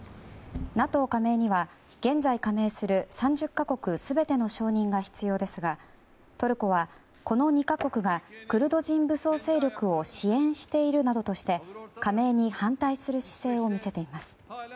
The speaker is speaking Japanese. ＮＡＴＯ加盟には現在加盟する３０か国全ての承認が必要ですがトルコはこの２か国がクルド人武装勢力を支援しているなどとして加盟に反対する姿勢を見せています。